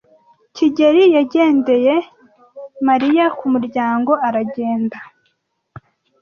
kigeli yagendeye Mariya ku muryango aragenda.